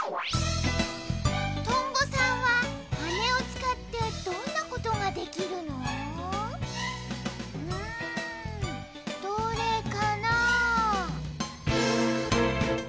とんぼさんははねをつかってどんなことができるの？うん。どれかな？